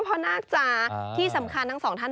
นาคจ๋าที่สำคัญทั้งสองท่าน